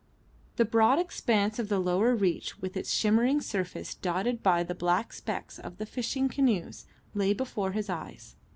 The broad expanse of the lower reach, with its shimmering surface dotted by the black specks of the fishing canoes, lay before his eyes.